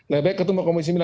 nah baik ketemu komisi sembilan